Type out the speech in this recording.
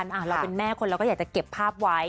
เราเป็นแม่คนเราก็อยากจะเก็บภาพไว้